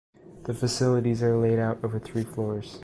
The facilities are laid out over three floors.